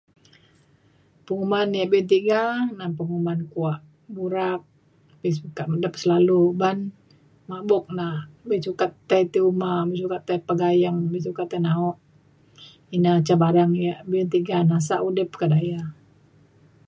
penguman ya' be'un tiga na penguman kuak burak [unintelligible] uban mabuk na be' sukat tai ti uma be' sukat tai pegayeng' be' sukat tai na'uk ina ca barang ya' be'un tiga nasa udip ka daya